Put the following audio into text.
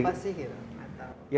maksudnya apa sih gitu